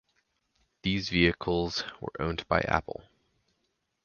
These vehicles were owned by Apple.